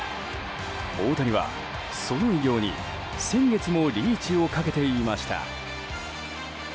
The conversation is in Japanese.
大谷は、その偉業に先月もリーチをかけていました。